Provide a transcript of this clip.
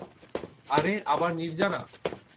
আরে আবার নির্জারা!